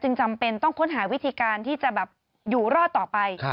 จำเป็นต้องค้นหาวิธีการที่จะแบบอยู่รอดต่อไป